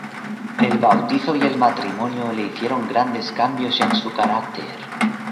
El bautizo y el matrimonio le hicieron grandes cambios en su carácter.